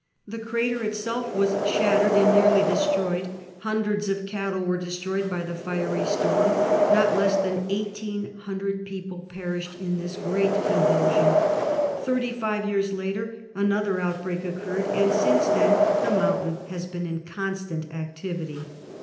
The crater itself was shattered and nearly destroyed. Hundreds of cattle were destroyed by the fiery storm. Not less than eighteen hundred people perished in this great convulsion. Thirty five years later another outbreak occurred; and since then the mountain has been in constant activity.